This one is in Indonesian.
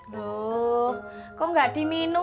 loh kok gak diminum